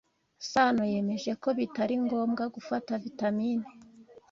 Sano yemeje ko bitari ngombwa gufata vitamine.